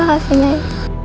terima kasih nyai